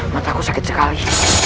mataku sakit sekali